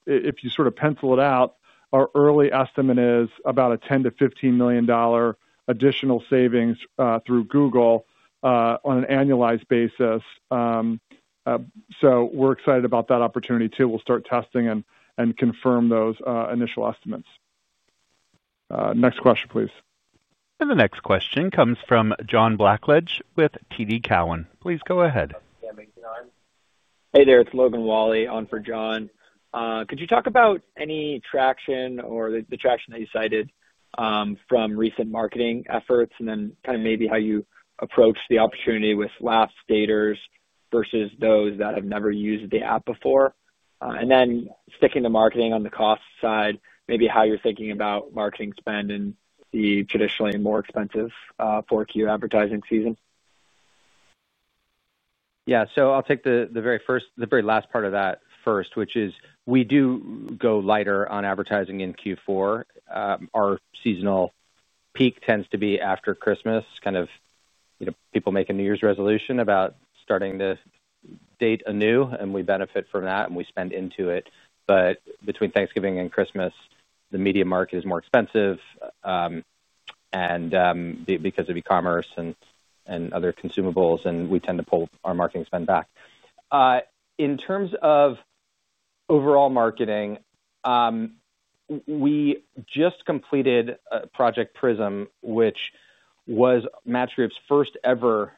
if you sort of pencil it out, our early estimate is about a $10 million-$15 million additional savings through Google on an annualized basis. So we're excited about that opportunity too. We'll start testing and confirm those initial estimates. Next question, please. And the next question comes from John Blackledge with TD Cowen. Please go ahead. Hey there, it's Logan Whalley on for John. Could you talk about any traction or the traction that you cited from recent marketing efforts and then kind of maybe how you approach the opportunity with lapsed daters versus those that have never used the app before? And then sticking to marketing on the cost side, maybe how you're thinking about marketing spend in the traditionally more expensive 4Q advertising season. Yeah, so I'll take the very last part of that first, which is we do go lighter on advertising in Q4. Our seasonal peak tends to be after Christmas. Kind of people make a New Year's resolution about starting to date anew, and we benefit from that, and we spend into it. But between Thanksgiving and Christmas, the media market is more expensive, and because of e-commerce and other consumables, we tend to pull our marketing spend back. In terms of overall marketing, we just completed Project Prism, which was Match Group's first-ever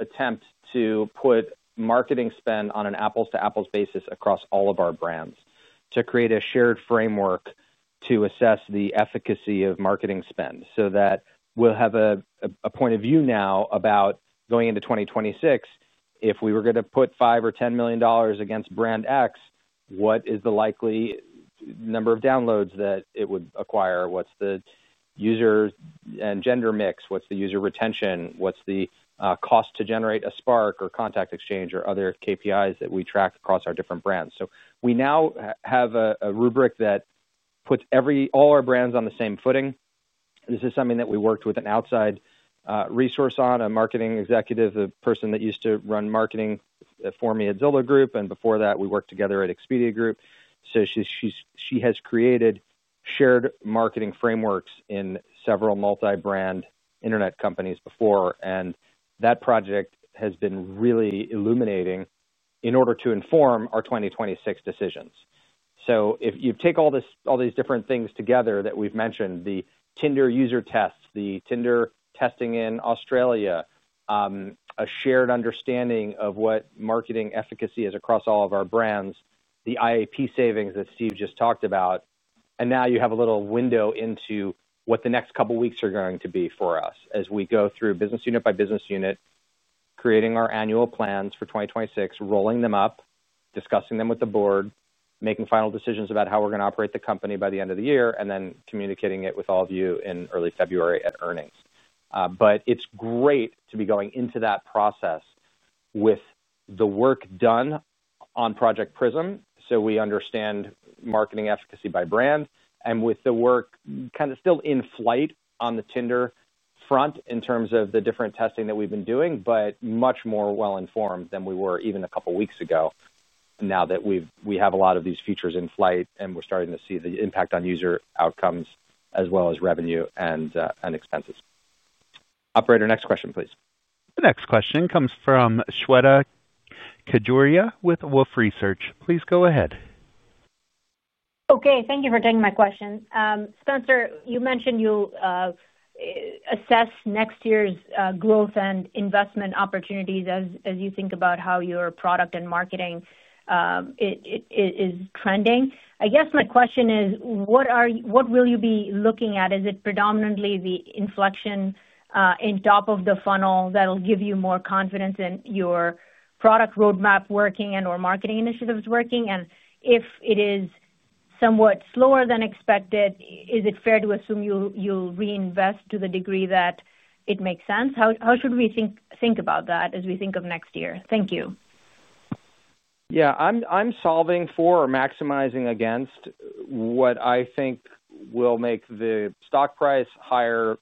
attempt to put marketing spend on an apples-to-apples basis across all of our brands to create a shared framework to assess the efficacy of marketing spend. So that we'll have a point of view now about going into 2026. If we were going to put $5 million or $10 million against brand X, what is the likely number of downloads that it would acquire? What's the user and gender mix? What's the user retention? What's the cost to generate a Spark or contact exchange or other KPIs that we track across our different brands? So we now have a rubric that puts all our brands on the same footing. This is something that we worked with an outside resource on, a marketing executive, the person that used to run marketing for me at Zillow Group, and before that, we worked together at Expedia Group. So she has created shared marketing frameworks in several multi-brand internet companies before, and that project has been really illuminating in order to inform our 2026 decisions. So if you take all these different things together that we've mentioned, the Tinder user tests, the Tinder testing in Australia, a shared understanding of what marketing efficacy is across all of our brands, the IAP savings that Steve just talked about, and now you have a little window into what the next couple of weeks are going to be for us as we go through business unit by business unit, creating our annual plans for 2026, rolling them up, discussing them with the Board, making final decisions about how we're going to operate the company by the end of the year, and then communicating it with all of you in early February at earnings, but it's great to be going into that process with the work done on Project Prism, so we understand marketing efficacy by brand, and with the work kind of still in flight on the Tinder front in terms of the different testing that we've been doing, but much more well-informed than we were even a couple of weeks ago. Now that we have a lot of these features in flight and we're starting to see the impact on user outcomes as well as revenue and expenses. Operator, next question, please. The next question comes from Shweta Khajuria with Wolfe Research. Please go ahead. Okay, thank you for taking my question. Spencer, you mentioned you'll assess next year's growth and investment opportunities as you think about how your product and marketing is trending. I guess my question is, what will you be looking at? Is it predominantly the inflection in top of the funnel that will give you more confidence in your product roadmap working and/or marketing initiatives working? And if it is somewhat slower than expected, is it fair to assume you'll reinvest to the degree that it makes sense? How should we think about that as we think of next year? Thank you. Yeah, I'm solving for or maximizing against what I think will make the stock price higher three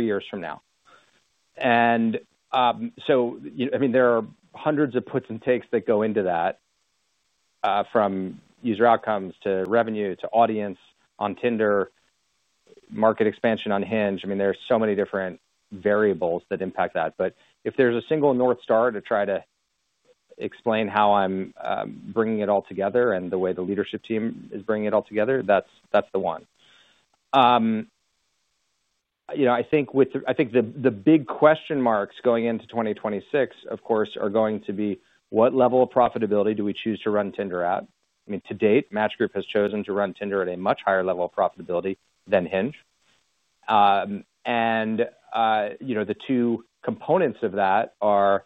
years from now. And so I mean, there are hundreds of puts and takes that go into that. From user outcomes to revenue to audience on Tinder. Market expansion on Hinge. I mean, there are so many different variables that impact that. But if there's a single North Star to try to explain how I'm bringing it all together and the way the leadership team is bringing it all together, that's the one. I think. The big question marks going into 2026, of course, are going to be what level of profitability do we choose to run Tinder at? I mean, to date, Match Group has chosen to run Tinder at a much higher level of profitability than Hinge. The two components of that are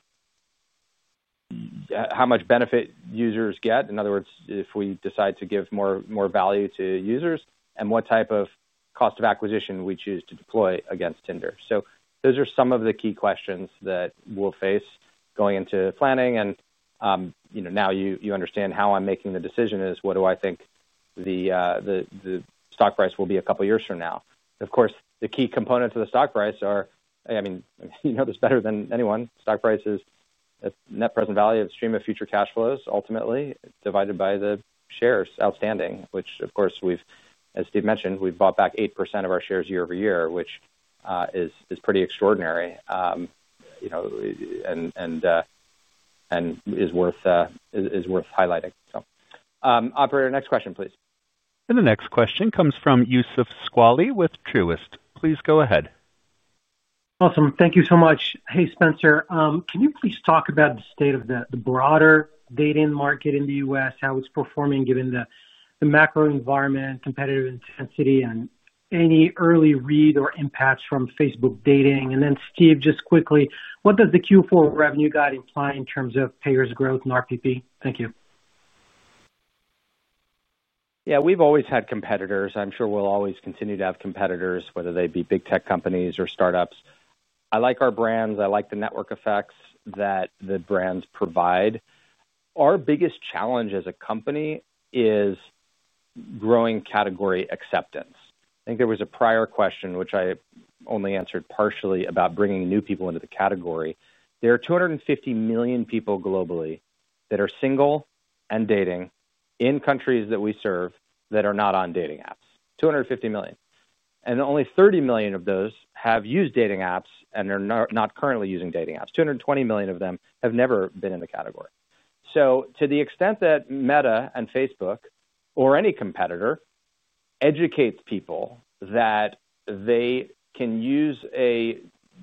how much benefit users get. In other words, if we decide to give more value to users, and what type of cost of acquisition we choose to deploy against Tinder. So those are some of the key questions that we'll face going into planning. Now you understand how I'm making the decision is what do I think the stock price will be a couple of years from now. Of course, the key components of the stock price are, I mean, you know this better than anyone. Stock price is net present value of stream of future cash flows, ultimately, divided by the shares outstanding, which, of course, as Steve mentioned, we've bought back 8% of our shares year-over-year, which is pretty extraordinary. And is worth highlighting. So, operator, next question, please. The next question comes from Youssef Squali with Truist. Please go ahead. Awesome. Thank you so much. Hey, Spencer, can you please talk about the state of the broader dating market in the U.S., how it's performing given the macro environment, competitive intensity, and any early read or impacts from Facebook Dating? And then Steve, just quickly, what does the Q4 revenue guide imply in terms of payers' growth and RPP? Thank you. Yeah, we've always had competitors. I'm sure we'll always continue to have competitors, whether they be big tech companies or startups. I like our brands. I like the network effects that the brands provide. Our biggest challenge as a company is growing category acceptance. I think there was a prior question, which I only answered partially, about bringing new people into the category. There are 250 million people globally that are single and dating in countries that we serve that are not on dating apps. 250 million, and only 30 million of those have used dating apps and are not currently using dating apps. 220 million of them have never been in the category. So to the extent that Meta and Facebook or any competitor educates people that they can use a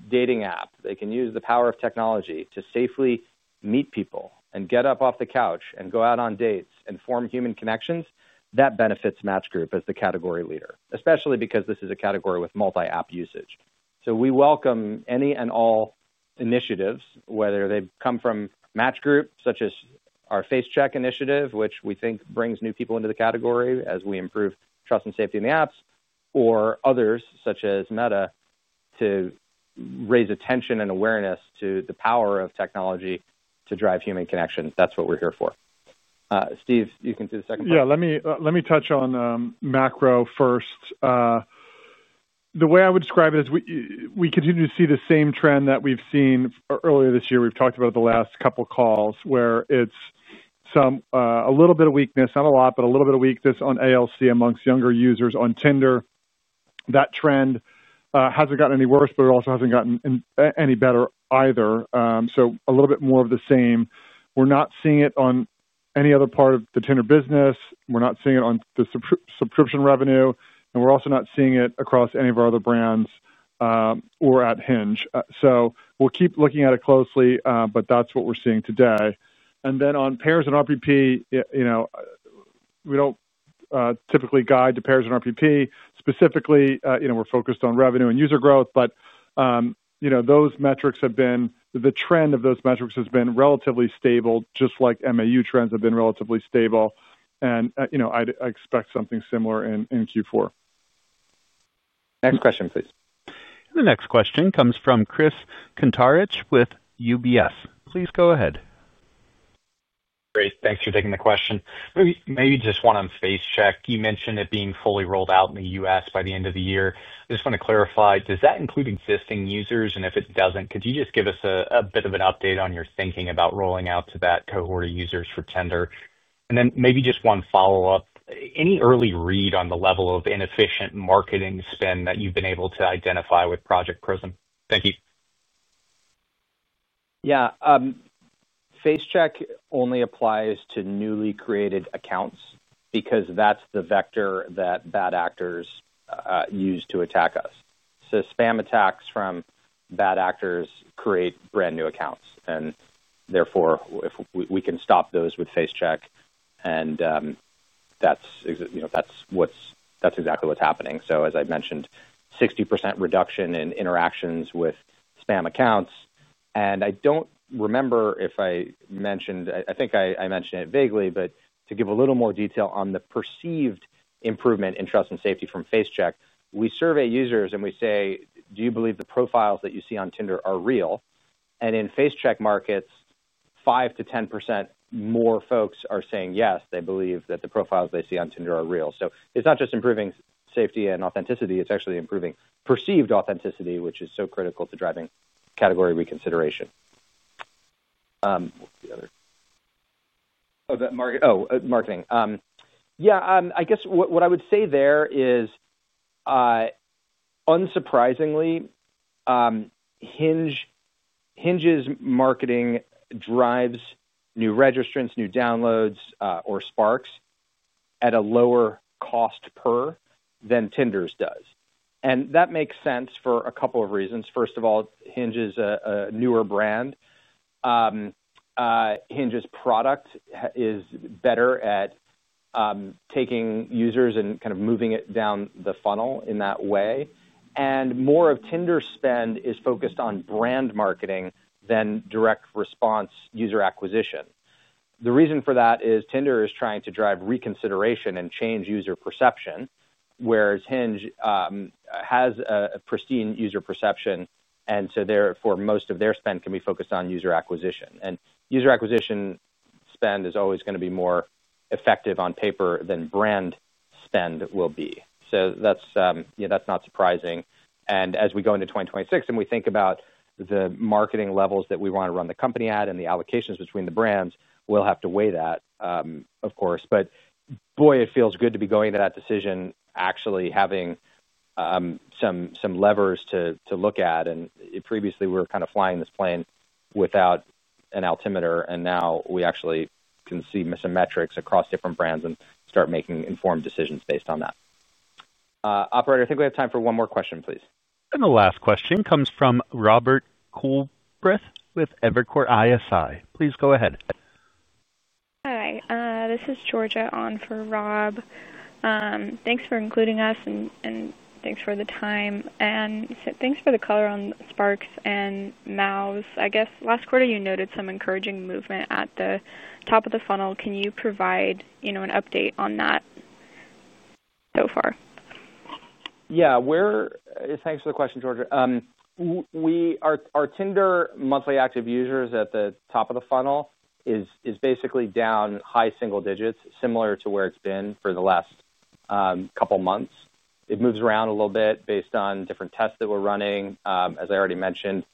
dating app, they can use the power of technology to safely meet people and get up off the couch and go out on dates and form human connections, that benefits Match Group as the category leader, especially because this is a category with multi-app usage. So we welcome any and all initiatives, whether they come from Match Group, such as our Face Check initiative, which we think brings new people into the category as we improve trust and safety in the apps, or others such as Meta to raise attention and awareness to the power of technology to drive human connection. That's what we're here for. Steve, you can do the second part. Yeah, let me touch on macro first. The way I would describe it is we continue to see the same trend that we've seen earlier this year. We've talked about it the last couple of calls, where it's a little bit of weakness, not a lot, but a little bit of weakness on ALC amongst younger users on Tinder. That trend hasn't gotten any worse, but it also hasn't gotten any better either, so a little bit more of the same. We're not seeing it on any other part of the Tinder business. We're not seeing it on the subscription revenue. And we're also not seeing it across any of our other brands, or at Hinge. So we'll keep looking at it closely, but that's what we're seeing today, and then on payers and RPP. We don't typically guide to payers and RPP specifically. We're focused on revenue and user growth, but those metrics have been. The trend of those metrics has been relatively stable, just like MAU trends have been relatively stable, and I expect something similar in Q4. Next question, please. And the next question comes from Chris Kuntarich with UBS. Please go ahead. Great. Thanks for taking the question. Maybe just want to Face Check. You mentioned it being fully rolled out in the U.S. by the end of the year. I just want to clarify, does that include existing users? and if it doesn't, could you just give us a bit of an update on your thinking about rolling out to that cohort of users for Tinder? and then maybe just one follow-up. Any early read on the level of inefficient marketing spend that you've been able to identify with Project Prism? Thank you. Yeah. Face Check only applies to newly created accounts because that's the vector that bad actors use to attack us. So spam attacks from bad actors create brand-new accounts. And therefore, we can stop those with Face Check. That's exactly what's happening. So, as I mentioned, 60% reduction in interactions with spam accounts. And I don't remember if I mentioned. I think I mentioned it vaguely, but to give a little more detail on the perceived improvement in trust and safety from Face Check, we survey users and we say, "Do you believe the profiles that you see on Tinder are real?" And in Face Check markets, 5%-10% more folks are saying yes. They believe that the profiles they see on Tinder are real. So it's not just improving safety and authenticity. It's actually improving perceived authenticity, which is so critical to driving category reconsideration. Oh, marketing. Yeah, I guess what I would say there is unsurprisingly. Hinge's marketing drives new registrants, new downloads, or Sparks at a lower cost per than Tinder's does. And that makes sense for a couple of reasons. First of all, Hinge is a newer brand. Hinge's product is better at taking users and kind of moving it down the funnel in that way. And more of Tinder's spend is focused on brand marketing than direct response user acquisition. The reason for that is Tinder is trying to drive reconsideration and change user perception, whereas Hinge has a pristine user perception. And so therefore, most of their spend can be focused on user acquisition. And user acquisition spend is always going to be more effective on paper than brand spend will be. So that's not surprising. And as we go into 2026 and we think about the marketing levels that we want to run the company at and the allocations between the brands, we'll have to weigh that, of course. But boy, it feels good to be going to that decision, actually having some levers to look at. And previously, we were kind of flying this plane without an altimeter. And now we actually can see some metrics across different brands and start making informed decisions based on that. Operator, I think we have time for one more question, please. The last question comes from Robert Coolbrith with Evercore ISI. Please go ahead. Hi. This is Georgia on for Rob. Thanks for including us and thanks for the time. And thanks for the color on Sparks and MAUs. I guess last quarter, you noted some encouraging movement at the top of the funnel. Can you provide an update on that so far? Yeah. Thanks for the question, Georgia. Our Tinder monthly active users at the top of the funnel is basically down high single digits, similar to where it's been for the last couple of months. It moves around a little bit based on different tests that we're running. As I already mentioned,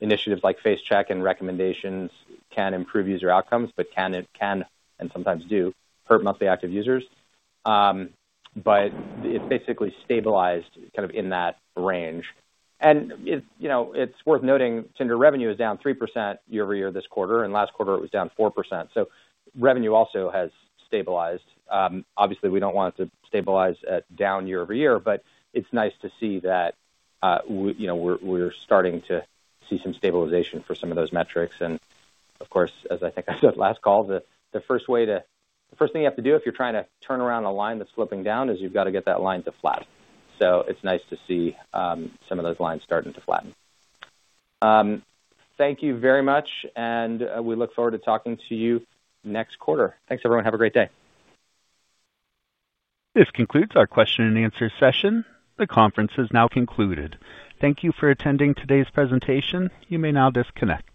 initiatives like Face Check and recommendations can improve user outcomes, but can, and sometimes do, hurt monthly active users. But it's basically stabilized kind of in that range. It's worth noting Tinder revenue is down 3% year-over-year this quarter. And last quarter, it was down 4%. So revenue also has stabilized. Obviously, we don't want it to stabilize down year-over-year, but it's nice to see that. We're starting to see some stabilization for some of those metrics. And of course, as I think I said last call, the first thing you have to do if you're trying to turn around a line that's flipping down is you've got to get that line to flat. So it's nice to see some of those lines starting to flatten. Thank you very much. And we look forward to talking to you next quarter. Thanks, everyone. Have a great day. This concludes our question-and-answer session. The conference is now concluded. Thank you for attending today's presentation. You may now disconnect.